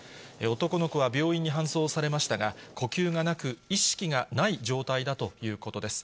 男の子は病院に搬送されましたが、呼吸がなく、意識がない状態だということです。